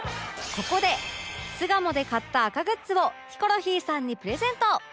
ここで巣鴨で買った赤グッズをヒコロヒーさんにプレゼント